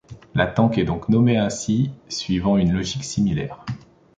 La Tank est donc nommée ainsi suivant une logique similaire.